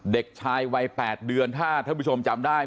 เด็กชายวัย๘เดือนถ้าท่านผู้ชมจำได้